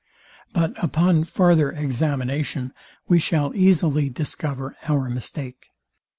But upon farther examination we shall easily discover our mistake.